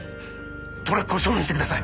トラックを処分してください！